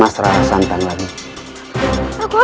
aucara ini nangan emby kut individual player